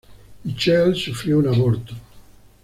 Michelle sufrió un aborto.